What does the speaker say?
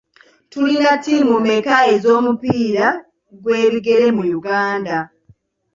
Tulina ttiimu mmeka ez'omupiira gw'ebigere mu Uganda?